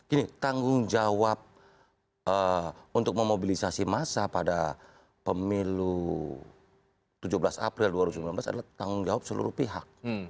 ini tanggung jawab untuk memobilisasi massa pada pemilu tujuh belas april dua ribu sembilan belas adalah tanggung jawab seluruh pihak